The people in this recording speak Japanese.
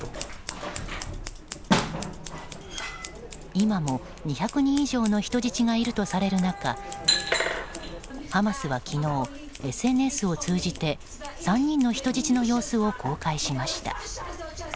今も２００人以上の人質がいるとされる中ハマスは昨日、ＳＮＳを通じて３人の人質の様子を公開しました。